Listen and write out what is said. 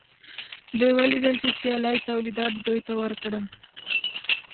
دوی ولیدل چې سیالۍ تولیدات دوی ته ورکړل